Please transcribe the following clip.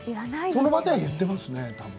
その場で言ってますね。